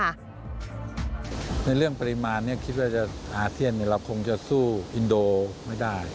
ในเรื่องปริมาณนี้คิดว่าอาเซียนเราคงจะสู้อินโดไม่ได้